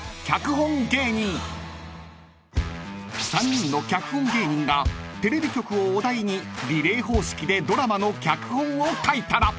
［３人の脚本芸人がテレビ局をお題にリレー方式でドラマの脚本を書いたら］